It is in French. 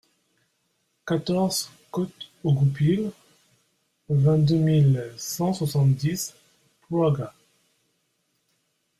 quatorze côte aux Goupils, vingt-deux mille cent soixante-dix Plouagat